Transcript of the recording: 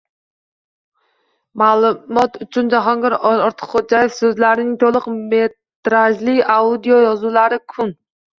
Ma'lumot uchun, Jahongir Ortiqxo'jaev so'zlarining to'liq metrajli audio yozuvlari Kun